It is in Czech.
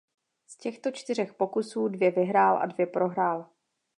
Z těchto čtyřech pokusů dvě vyhrál a dvě prohrál.